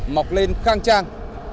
mọc lên khang trang